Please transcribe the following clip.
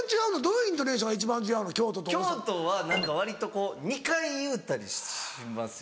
京都は割と２回言うたりしますね。